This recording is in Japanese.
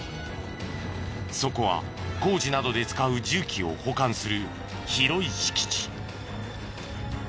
そこは工事などで使う重機を保管する広い敷地。